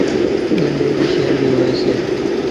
ڳنڍيرِي شيلرِي هوئيَ سي۔